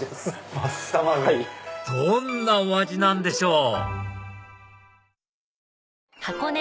どんなお味なんでしょう？